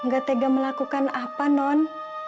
gak tega melakukan apa non